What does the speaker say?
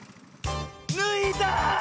ぬいだ！